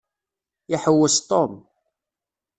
Iḥewwes Tom.